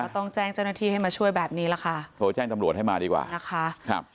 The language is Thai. โทรแจ้งตำรวจให้มาดีกว่านะคะ